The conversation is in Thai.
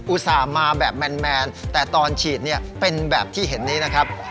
อุตส่าห์มาแบบแมนแต่ตอนฉีดเป็นแบบที่เห็นนี้นะครับ